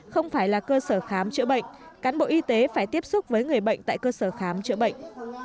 không phải là cơ sở khám chữa bệnh cán bộ y tế phải tiếp xúc với người bệnh tại cơ sở khám chữa bệnh